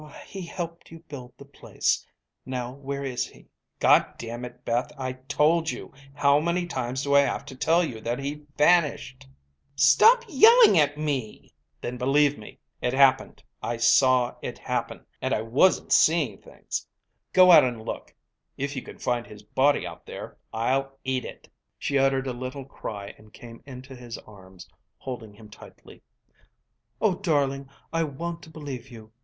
"He helped you build the place. Now where is he?" "Goddammit, Beth, I told you! How many times do I have to tell you that he vanished!" "Stop yelling at me!" "Then believe me! It happened! I saw it happen, and I wasn't seeing things! Go out and look. If you can find his body out there, I'll eat it." She uttered a little cry and came into his arms, holding him tightly. "Oh, darling, I want to believe you.